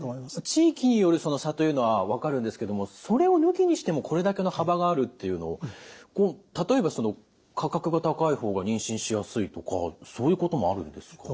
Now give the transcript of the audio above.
地域による差というのは分かるんですけどもそれを抜きにしてもこれだけの幅があるっていうのを例えば価格が高い方が妊娠しやすいとかそういうこともあるんですか？